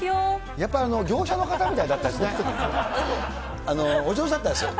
やっぱり業者の方みたいだったですよね。